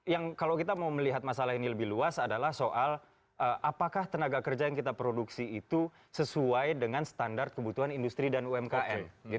yang kalau kita mau melihat masalah ini lebih luas adalah soal apakah tenaga kerja yang kita produksi itu sesuai dengan standar kebutuhan industri dan umkm